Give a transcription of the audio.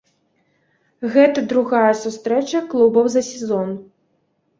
Гэта другая сустрэча клубаў за сезон.